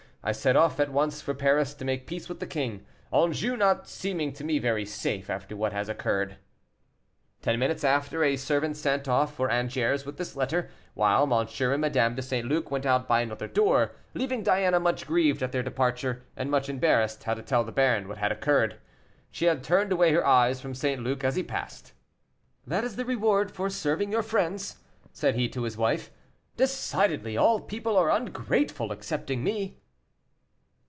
I set off at once for Paris to make peace with the king, Anjou not seeming to me very safe after what has occurred." Ten minutes after a servant set off for Angers with this letter, while M. and Madame de St. Luc went out by another door, leaving Diana much grieved at their departure, and much embarrassed how to tell the baron what had occurred. She had turned away her eyes from St. Luc as he passed. "That is the reward for serving your friends," said he to his wife; "decidedly all people are ungrateful excepting me."